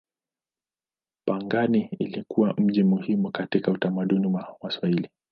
Pangani ilikuwa mji muhimu katika utamaduni wa Waswahili.